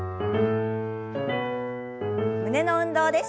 胸の運動です。